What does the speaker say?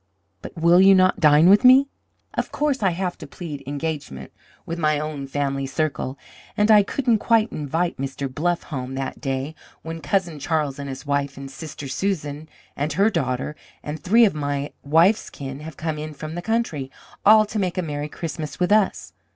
But will you not dine with me?" Of course, I had to plead engagement with my own family circle, and I couldn't quite invite Mr. Bluff home that day, when Cousin Charles and his wife, and Sister Susan and her daughter, and three of my wife's kin had come in from the country, all to make a merry Christmas with us.